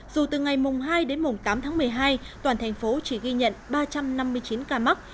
dù từ ngày mùng hai đến mùng tám tháng một mươi hai toàn thành phố chỉ ghi nhận ba trăm năm mươi chín ca mắc